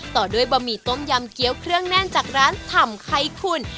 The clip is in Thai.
ต่อด้วยบะหมี่ต้มยำเกี้ยวเครื่องแน่นจากร้านถ่ำไคคุณ